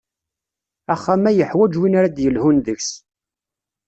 Axxam-a yeḥwaǧ win ara ad d-yelhun deg-s.